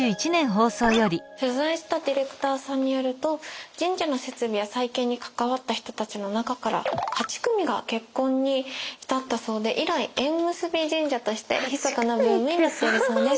取材したディレクターさんによると神社の設備や再建に関わった人たちの中から８組が結婚に至ったそうで以来縁結び神社としてひそかなブームになっているそうです。